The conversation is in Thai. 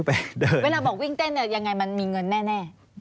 เวลาบอกวิ่งเต้นเนี่ยยังไงมันมีเงินแน่